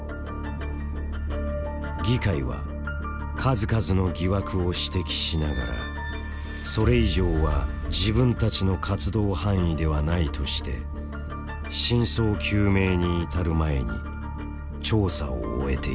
議会は数々の疑惑を指摘しながらそれ以上は自分たちの活動範囲ではないとして真相究明に至る前に調査を終えていた。